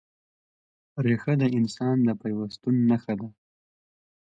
ریښه د انسان د پیوستون نښه ده.